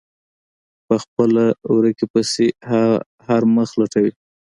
په خپله ورکې پسې هر مخ لټوي.